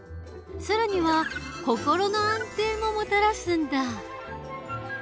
更には心の安定ももたらすんだ。